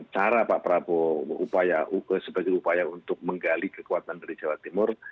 cara pak prabowo sebagai upaya untuk menggali kekuatan dari jawa timur